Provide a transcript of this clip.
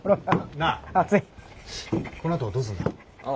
なあこのあとどうすんだ。